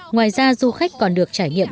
ngoài ra du khách còn được trải nghiệm